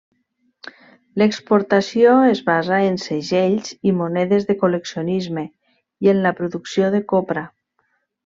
L'exportació es basa en segells i monedes de col·leccionisme, i en la producció de copra.